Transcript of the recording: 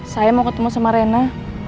saya mau ketemu sama rena